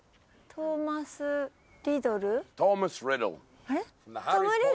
トーマス・リドルあれ？